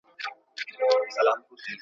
د خپلوۍ اړیکي عصبیت پیدا کوي.